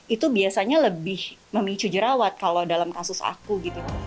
itu biasanya lebih memicu jerawat kalau dalam kasus aku gitu